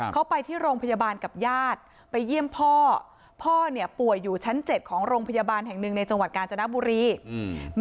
เขาไปที่โรงพยาบาลกับญาติไปเยี่ยมพ่อพ่อเนี่ยป่วยอยู่ชั้นเจ็ดของโรงพยาบาลแห่งหนึ่งในจังหวัดกาญจนบุรีอืม